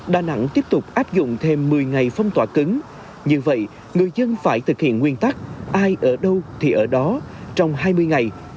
đà nẵng tiếp tục áp dụng thêm một mươi ngày phong tỏa cứng như vậy người dân phải thực hiện nguyên tắc ai ở đâu thì ở đó trong hai mươi ngày